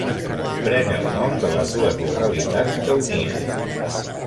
Pren el nom de les dues localitats que unia.